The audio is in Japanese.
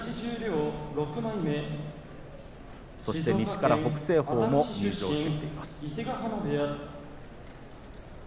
そして西から北青鵬も入場してきています。